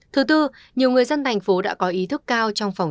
thứ tư nhiều người dân thành phố đã có ý thức cao trong phòng